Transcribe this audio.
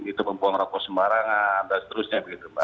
itu pembuang rakup sembarangan dan seterusnya begitu pak